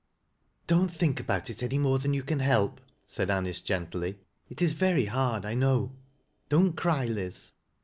" Don't think about it any more than you can help," said Anice gently. " It is very hard I know ; don't cry, Liz."